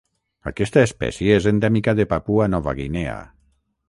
Aquesta espècie és endèmica de Papua Nova Guinea.